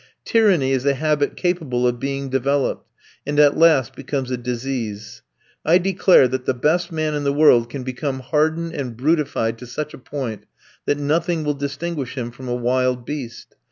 Tyranny is a habit capable of being developed, and at last becomes a disease. I declare that the best man in the world can become hardened and brutified to such a point, that nothing will distinguish him from a wild beast.